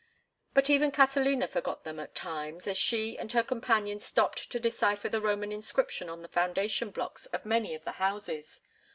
But even Catalina forgot them at times, as she and her companion stopped to decipher the Roman inscription on the foundation blocks of many of the houses.